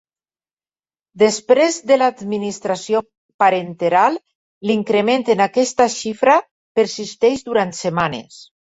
Després de l'administració parenteral, l'increment en aquesta xifra persisteix durant setmanes.